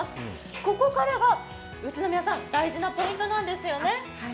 ここからは宇都宮さん大事なポイントなんですよね。